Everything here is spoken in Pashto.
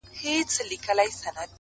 موري ډېوه دي ستا د نور د شفقت مخته وي!!